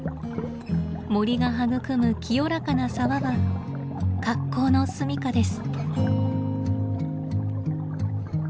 森が育む清らかな沢は格好のすみかです。